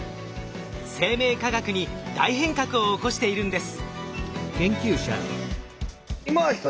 生命科学に大変革を起こしているんです。